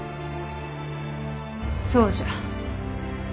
そうじゃ。